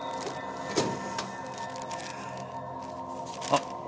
あっ！